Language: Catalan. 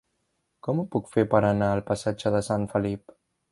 Com ho puc fer per anar al passatge de Sant Felip?